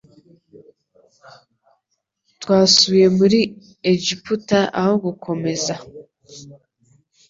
Twasubiye muri Egiputa aho gukomeza